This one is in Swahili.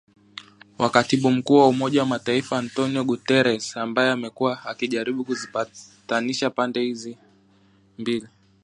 wa katibu mkuu wa Umoja wa Mataifa Antonio Guterres, ambaye amekuwa akijaribu kuzipatanisha pande hizo mbili